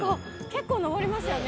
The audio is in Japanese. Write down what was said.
結構登りますよね。